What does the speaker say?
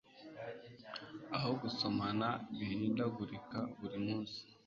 Aho gusomana bihindagurika buri munsi